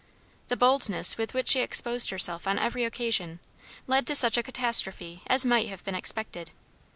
The boldness with which she exposed herself on every occasion, led to such a catastrophe as might have been expected.